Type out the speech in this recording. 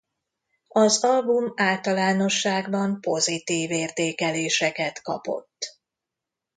Az album általánosságban pozitív értékeléseket kapott.